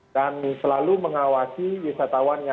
dan selalu mengawasi wisatawan yang